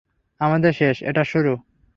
আমাদের শেষ, এটার শুরু!